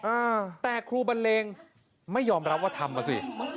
อ่าแต่ครูบันเลงไม่ยอมรับว่าทำอ่ะสิ